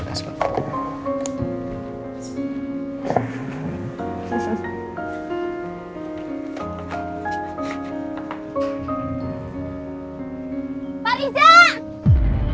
tidak ada yang bisa dianggap